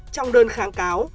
trong đơn kháng cáo